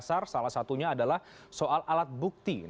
salah satunya adalah soal alat bukti